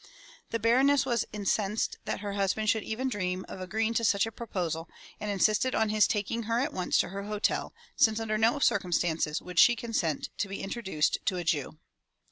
The Baroness was in censed that her husband should even dream of agreeing to such a proposal and insisted on his taking her at once to her hotel since under no circumstances would she consent to be introduced to a Jew.